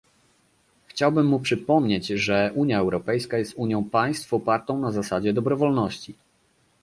Chciałbym mu przypomnieć, że Unia Europejska jest unią państw opartą na zasadzie dobrowolności